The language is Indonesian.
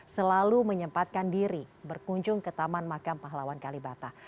selalu menyempatkan diri berkunjung ke taman makam pahlawan kalibata